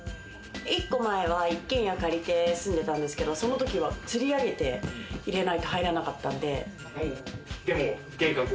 １個前は１軒家借りて住んでたんですけれども、その時はつり上げて入れないと入れなかったんで。